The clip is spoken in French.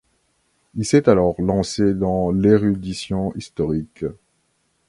Il s'est alors lancé dans l'érudition historique.